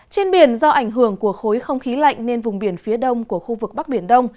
trên biển do ảnh hưởng của khối không khí lạnh nên vùng biển phía đông của khu vực bắc biển đông